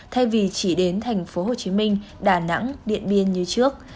thay vì chỉ đến tp hcm đà nẵng điện biên như trước